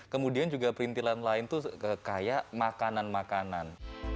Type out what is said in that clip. kemudian juga perintilan lain tuh kayak makanan makanan